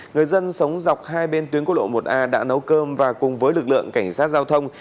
người dân sống dọc hai bên tuyến quốc lộ một a đã nấu cơm và cùng với lực lượng cảnh sát giao thông